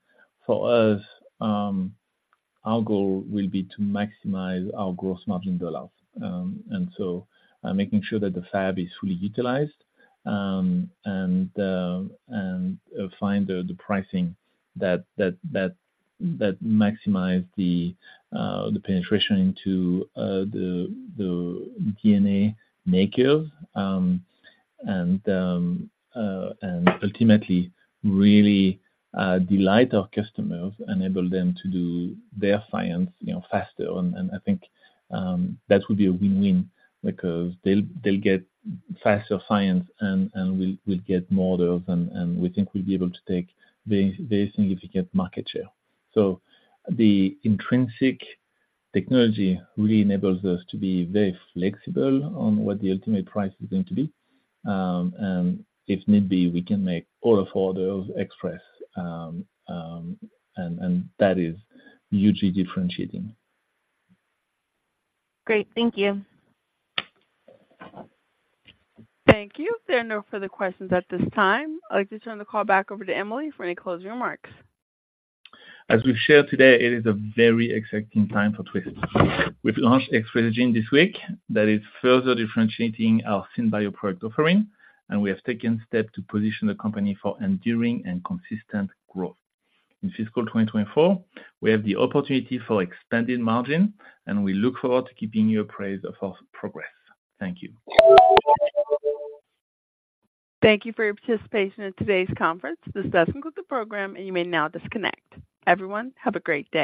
for us, our goal will be to maximize our gross margin dollars. So making sure that the fab is fully utilized, and find the pricing that maximizes the penetration into the DNA makers. And ultimately really delight our customers, enable them to do their science, you know, faster. And I think that would be a win-win because they'll get faster science and we'll get more of them, and we think we'll be able to take very, very significant market share. So the intrinsic technology really enables us to be very flexible on what the ultimate price is going to be. If need be, we can make all of orders express, and that is hugely differentiating. Great. Thank you. Thank you. There are no further questions at this time. I'd like to turn the call back over to Emily for any closing remarks. As we've shared today, it is a very exciting time for Twist. We've launched Express Genes this week that is further differentiating our SynBio product offering, and we have taken steps to position the company for enduring and consistent growth. In fiscal 2024, we have the opportunity for expanded margin, and we look forward to keeping you apprised of our progress. Thank you. Thank you for your participation in today's conference. This does conclude the program, and you may now disconnect. Everyone, have a great day.